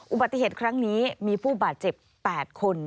อุบัติเหตุครั้งนี้มีผู้บาดเจ็บ๘คน